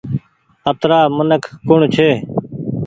اترآ منک ڪوڻ ڇي۔